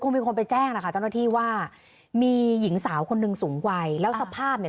มีคนไปแจ้งนะคะเจ้าหน้าที่ว่ามีหญิงสาวคนหนึ่งสูงวัยแล้วสภาพเนี่ย